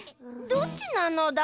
どっちなのだ？